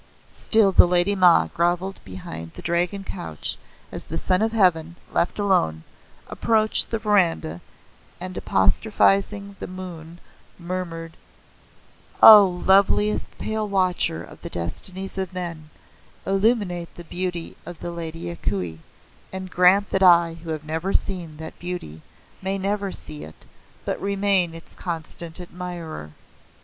Still the Lady Ma groveled behind the Dragon Couch as the Son of Heaven, left alone, approached the veranda and apostrophizing the moon, murmured "O loveliest pale watcher of the destinies of men, illuminate the beauty of the Lady A Kuei, and grant that I who have never seen that beauty may never see it, but remain its constant admirer!"